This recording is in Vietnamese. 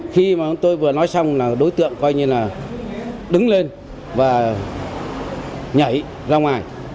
khi mà tôi vừa nói xong là đối tượng coi như là đứng lên và nhảy ra ngoài